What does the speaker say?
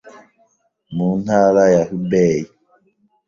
mu ntara ya Hubei